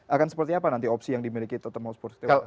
akan seperti apa nanti opsi yang dimiliki tottenham hotspur